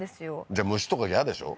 じゃあ虫とか嫌でしょ？